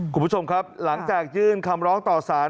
คุณผู้ชมครับหลังจากยื่นคำร้องต่อสาร